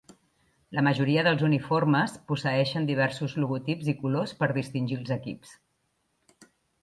La majoria dels uniformes posseeixen diversos logotips i colors per distingir els equips.